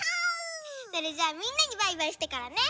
それじゃあみんなにバイバイしてからね。